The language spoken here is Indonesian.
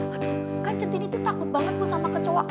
aduh kan centini tuh takut banget sama kecoa